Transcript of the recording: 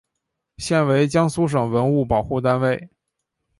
现为江苏省文物保护单位。